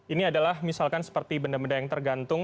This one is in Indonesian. ini adalah misalkan seperti benda benda yang tergantung